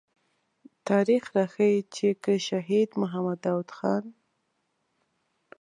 تاريخ راښيي چې که شهيد محمد داود خان.